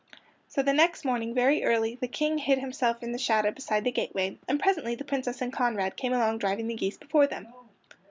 So the next morning very early the King hid himself in the shadow beside the gateway, and presently the Princess and Conrad came along driving the geese before them.